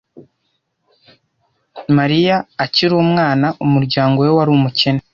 Mariya akiri umwana, umuryango we wari umukene.